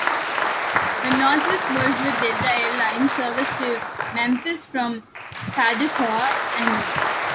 When Northwest merged with Delta Air Lines, service to Memphis from Paducah ended.